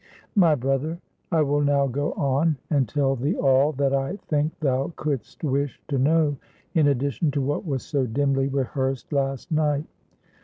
"My brother, I will now go on, and tell thee all that I think thou couldst wish to know, in addition to what was so dimly rehearsed last night.